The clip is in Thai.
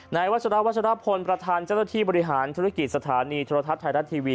วัชราวัชรพลประธานเจ้าหน้าที่บริหารธุรกิจสถานีโทรทัศน์ไทยรัฐทีวี